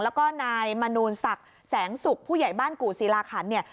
แล้วก็นายมนูลศักดิ์แสงสุกผู้ใหญ่บ้านกู่ศิลาขันเนี่ย